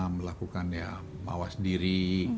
melakukan ya mawas diri